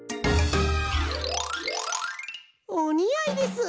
おにあいです！